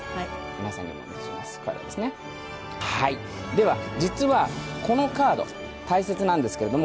では実はこのカード大切なんですけれども。